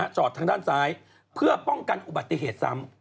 จอดทางด้านซ้ายเพื่อป้องกันอุบัติเหตุซ้ำ